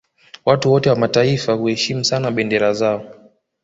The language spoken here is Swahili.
Watu wote wa mataifa huheshimu sana bendera zao